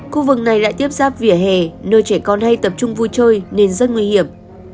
khu vực này lại tiếp giáp vỉa hè nơi trẻ con hay tập trung vui chơi nên rất nguy hiểm